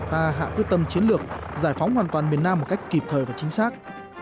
ta hạ quyết tâm chiến lược giải phóng hoàn toàn miền nam một cách kịp thời và chính xác